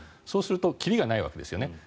そうすると切りがないわけですよね。